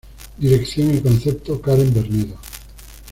Dirección y concepto: Karen Bernedo.